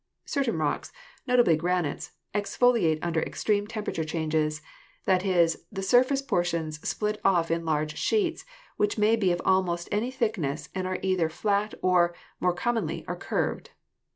Certain rocks, notably granites, exfoliate under extreme temperature changes ; that is, the surface portions split off in large sheets, which may be of almost any thickness, and are either flat or, more commonly, are curved.